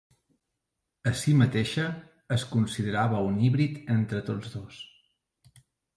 A si mateixa es considerava un híbrid entre tots dos.